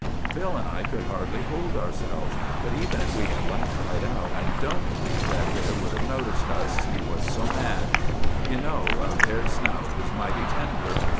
"'Bill and I could hardly hold ourselves; but even if we had laughed right out I don't believe that bear would have noticed us, he was so mad. You know a bear's snout is mighty tender.